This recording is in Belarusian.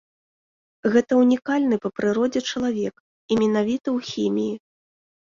Гэта ўнікальны па прыродзе чалавек, і менавіта ў хіміі.